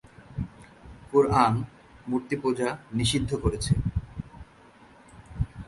কুরআন মূর্তিপূজা নিষিদ্ধ করেছে।